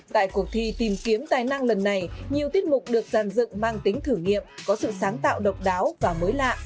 tại cuộc thi tìm kiếm tài năng lần này nhiều tiết mục được dàn dựng mang tính thử nghiệm có sự sáng tạo độc đáo và mới lạ